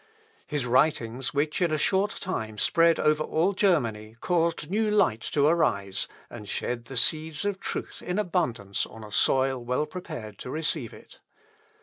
His writings, which in a short time spread over all Germany, caused new light to arise, and shed the seeds of truth in abundance on a soil well prepared to receive it.